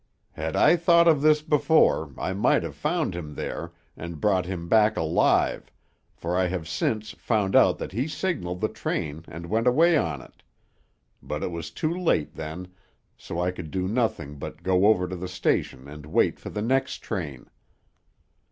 Had I thought of this before, I might have found him there, and brought him back alive, for I have since found out that he signalled the train and went away on it; but it was too late then, so I could do nothing but go over to the station and wait for the next train."